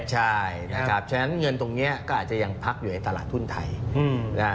ใช่นะครับฉะนั้นเงินตรงนี้ก็อาจจะยังพักอยู่ในตลาดทุนไทย